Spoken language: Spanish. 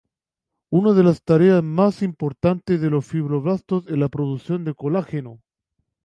Una de las tareas más importantes de los fibroblastos es la producción de colágeno.